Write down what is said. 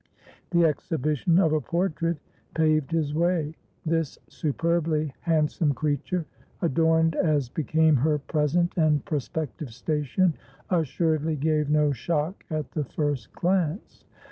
The exhibition of a portrait paved his way. This superbly handsome creature, adorned as became her present and prospective station, assuredly gave no shock at the first glance.